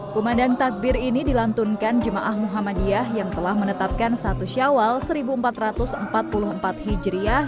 kumandang takbir ini dilantunkan jemaah muhammadiyah yang telah menetapkan satu syawal seribu empat ratus empat puluh empat hijriah